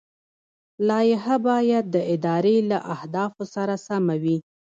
لایحه باید د ادارې له اهدافو سره سمه وي.